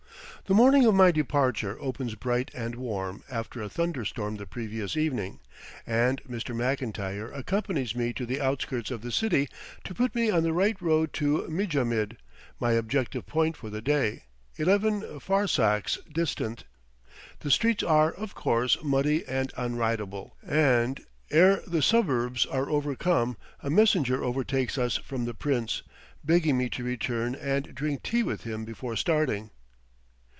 The morning of my departure opens bright and warm after a thunder storm the previous evening, and Mr. Mclntyre accompanies me to the outskirts of the city, to put me on the right road to Mijamid, my objective point for the day, eleven farsakhs distant. The streets are, of course, muddy and unridable, and ere the suburbs are overcome a messenger overtakes us from the Prince, begging me to return and drink tea with him before starting.